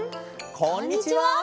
こんにちは。